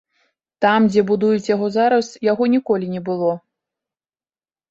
Там, дзе будуюць яго зараз, яго ніколі не было.